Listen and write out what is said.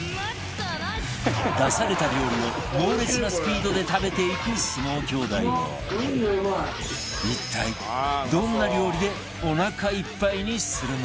出された料理を猛烈なスピードで食べていく相撲兄弟を一体どんな料理でおなかいっぱいにするのか？